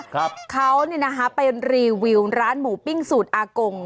นั่นน่ะนะเขาเป็นรีวิวร้านหมูปิ้งสูตรอากง